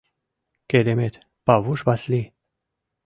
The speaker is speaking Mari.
— Керемет, Павуш Васли!